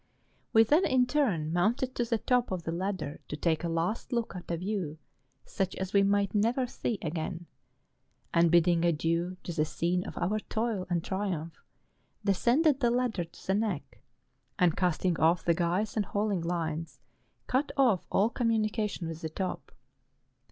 We then in turn mounted to the top of the ladder to take a last look at a view such as we might never see again, and bidding adieu to the scene of our toil and triumph, descended the ladder to the neck, and casting off the guys and hauling lines, cut off all communication with the top.